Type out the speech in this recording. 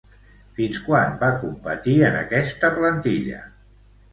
Fins quan va competir en aquesta plantilla?